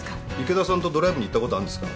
池田さんとドライブに行ったことあるんですか？